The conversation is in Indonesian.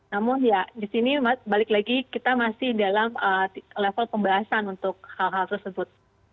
namun ya di sini balik lagi kita masih dalam level pembahasan untuk hal hal tersebut